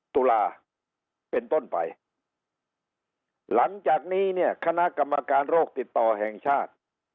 ตุลาเป็นต้นไปหลังจากนี้เนี่ยคณะกรรมการโรคติดต่อแห่งชาติ